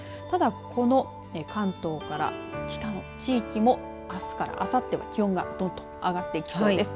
ただ、この関東から北の地域もあすからあさっては気温がどんと上がってきそうです。